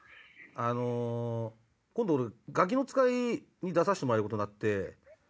あの今度俺『ガキの使い』に出させてもらえることになって。